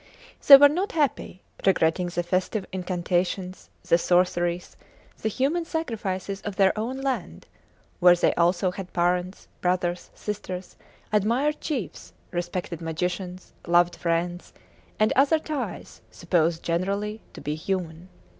They were not happy, regretting the festive incantations, the sorceries, the human sacrifices of their own land; where they also had parents, brothers, sisters, admired chiefs, respected magicians, loved friends, and other ties supposed generally to be human.